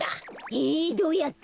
えどうやって？